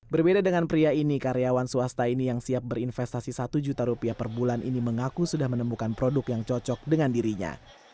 berbeda dengan pria ini karyawan swasta ini yang siap berinvestasi satu juta rupiah per bulan ini mengaku sudah menemukan produk yang cocok dengan dirinya